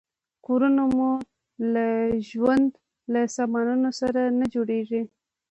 کورونه مو له ژوند له سامانونو سره نه جوړیږي.